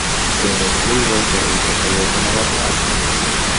كانت ليلى تعيش حياة رائعة.